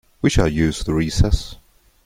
We shall use the recess.